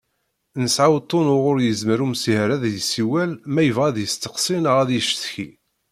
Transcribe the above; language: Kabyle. Nesɛa uṭṭun uɣur yezmer umsiher ad d-yessiwel ma yebɣa ad d-yesteqsi neɣ ad icetki.